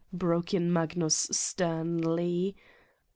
broke in Magnus sternly.